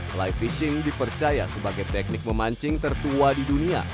fly fishing dipercaya sebagai teknik memancing tertua di dunia